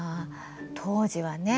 当時はね